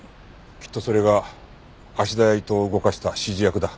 きっとそれが芦田や伊藤を動かした指示役だ。